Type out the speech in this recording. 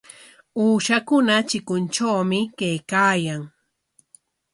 Uushakuna chikuntrawmi kaykaayan.